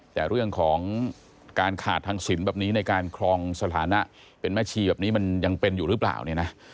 แต่เรื่องของการขาดทางศิลป์แบบนี้ในการครองสถานะเป็นแม่ชีแบบนี้มันยังเป็นอยู่หรือเปล่าเนี่ยนะ